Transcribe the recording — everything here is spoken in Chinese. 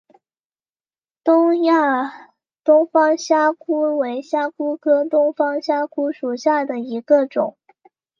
东亚东方虾蛄为虾蛄科东方虾蛄属下的一个种。